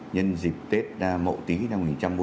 nhân dịp tết mậu tí năm một nghìn chín trăm bốn mươi tám